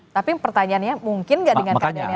tapi pertanyaannya mungkin tidak dengan pertanyaannya sekarang